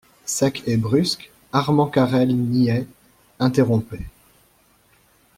Sec et brusque, Armand Carel niait, interrompait.